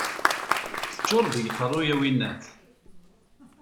Teččureḍ deg uqerru, a winnat!